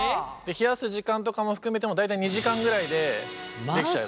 冷やす時間とかも含めても大体２時間ぐらいでできちゃう。